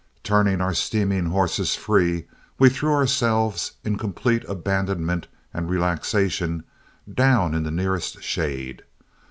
Turning our steaming horses free, we threw ourselves, in complete abandonment and relaxation, down in the nearest shade.